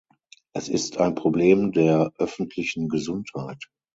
Es ist ein Problem der öffentlichen Gesundheit.